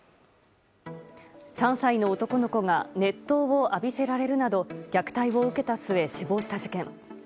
３歳の男の子が熱湯を浴びせられるなど虐待を受けた末、死亡した事件。